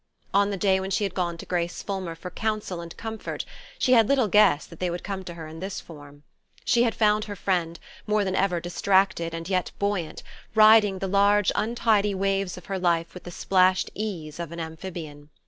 On the day when she had gone to Grace Fulmer for counsel and comfort she had little guessed that they would come to her in this form. She had found her friend, more than ever distracted and yet buoyant, riding the large untidy waves of her life with the splashed ease of an amphibian.